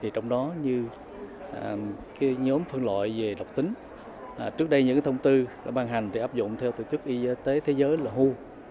trong đó như nhóm phân loại về độc tính trước đây những thông tư đã ban hành thì áp dụng theo tổ chức y tế thế giới là hu